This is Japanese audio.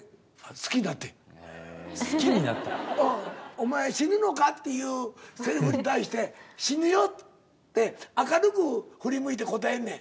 「お前死ぬのか？」っていうセリフに対して「死ぬよ」って明るく振り向いて答えんねん。